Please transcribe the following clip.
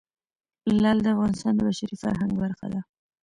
لعل د افغانستان د بشري فرهنګ برخه ده.